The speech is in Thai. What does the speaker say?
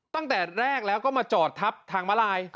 ตั้งแต่แรกแล้วก็มาจอดทับทางมาลาย